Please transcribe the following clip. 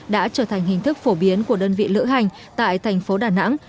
đã trở thành hình thức phổ biến của đơn vị lữ hành tại thành phố đà nẵng